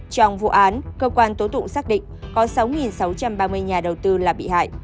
trong vụ án cơ quan tố tụng xác định có sáu sáu trăm ba mươi nhà đầu tư là bị hại